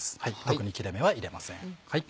特に切れ目は入れません。